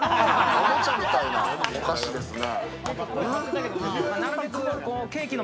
おもちゃみたいなお菓子ですね。